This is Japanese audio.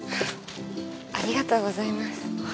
ありがとうございます。